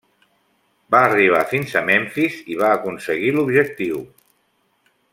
Va arribar fins a Memfis i va aconseguir l'objectiu.